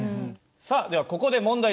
さあではここで問題です。